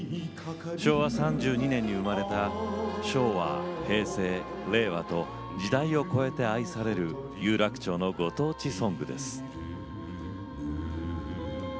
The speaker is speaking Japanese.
昭和３２年に生まれた昭和、平成、令和と時代を超えて愛される有楽町のご当地ソングです。